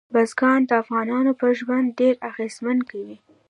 بزګان د افغانانو پر ژوند ډېر اغېزمن کوي.